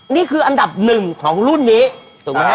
นี่คืออันดับหนึ่งของรุ่นนี้ถูกไหมฮะ